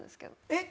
えっ！？